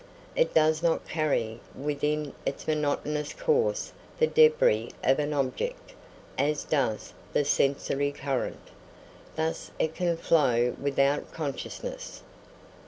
It does not carry with it in its monotonous course the débris of an object, as does the sensory current. Thus it can flow without consciousness.